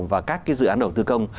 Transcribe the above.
và các cái dự án đầu tư công